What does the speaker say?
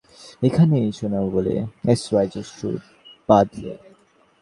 এখনই শোনাব বলে এসরাজের সুর বাঁধলে।